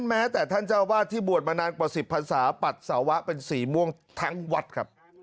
แม้แต่ท่านเจ้าวาดที่บวชมานานกว่า๑๐พันศาปัสสาวะเป็นสีม่วงทั้งวัดครับ